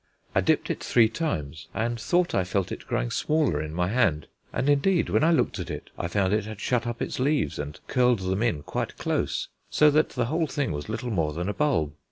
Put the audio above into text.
I dipped it three times and thought I felt it growing smaller in my hand: and indeed when I looked at it I found it had shut up its leaves and curled them in quite close, so that the whole thing was little more than a bulb.